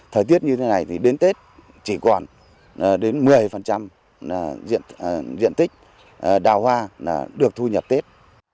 thời tiết như thế này thì đến tết chỉ còn đến một mươi diện tích đào hoa là được thu nhập tết